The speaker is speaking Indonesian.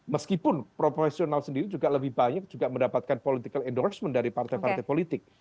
meskipun profesional sendiri juga lebih banyak juga mendapatkan political endorsement dari partai partai politik